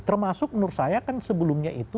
termasuk menurut saya kan sebelumnya itu